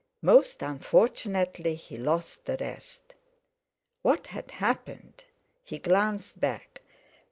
Most unfortunately he lost the rest. What had happened? He glanced back.